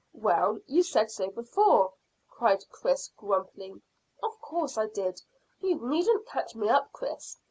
"Well, you said so before," cried Chris grumpily. "Of course I did; you needn't catch me up, Chris.